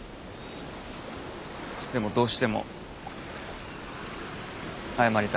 でもどうしても謝りたい。